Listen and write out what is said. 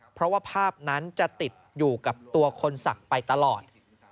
เพราะว่าภาพนั้นจะติดอยู่กับตัวคนศักดิ์ไปตลอด